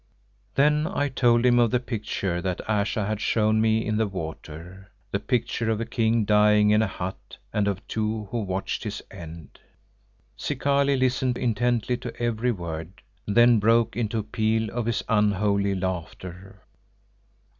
Then I told him of the picture that Ayesha had shown me in the water; the picture of a king dying in a hut and of two who watched his end. Zikali listened intently to every word, then broke into a peal of his unholy laughter.